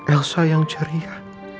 elsa yang ceria